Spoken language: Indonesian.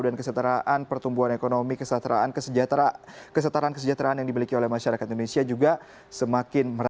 kesetaraan pertumbuhan ekonomi kesetaraan kesejahteraan yang dimiliki oleh masyarakat indonesia juga semakin merata